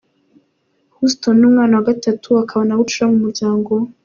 Houston ni umwana wa gatatu akaba na bucura mu muryango we.